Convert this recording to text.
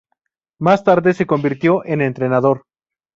Más tarde, se convirtió en entrenador.